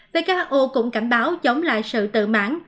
who cũng cảnh báo chống lại sự tự mãn